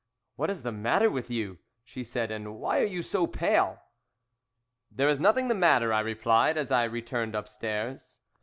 "'What is the matter with you,' she said, 'and why are you so pale?' "'There is nothing the matter,' I replied, as I returned upstairs.